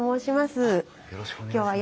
よろしくお願いします。